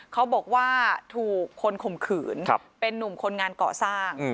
เขาบอกว่าถูกคนข่มขืนเป็นนุ่มคนงานก่อสร้าง